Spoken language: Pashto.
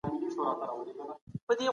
موږ باید لومړی خپل شخصیت جوړ کړو.